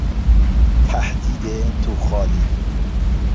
تهدید تو خالی